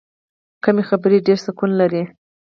کمې خبرې، ډېر سکون لري.